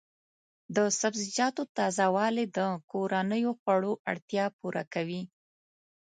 د سبزیجاتو تازه والي د کورنیو خوړو اړتیا پوره کوي.